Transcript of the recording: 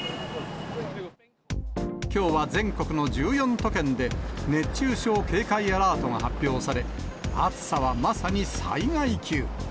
きょうは全国の１４都県で、熱中症警戒アラートが発表され、暑さはまさに災害級。